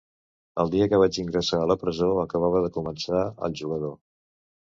El dia que vaig ingressar a la presó acabava de començar El jugador.